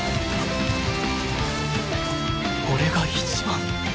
俺が一番！